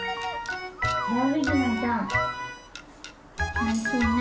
おいしいね。